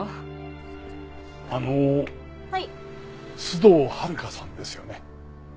須藤温香さんですよね？